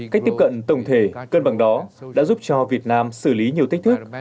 cách tiếp cận tổng thể cân bằng đó đã giúp cho việt nam xử lý nhiều thách thức